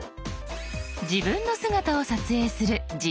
自分の姿を撮影する「自撮り」。